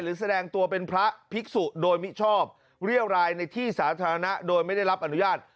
แสดงตัวเป็นพระภิกษุโดยมิชอบเรียวรายในที่สาธารณะโดยไม่ได้รับอนุญาต